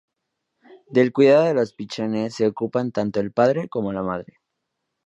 Del cuidado de los pichones se ocupan tanto el padre como la madre.